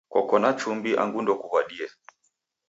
Koko na chumbi angu ndekuw'adie?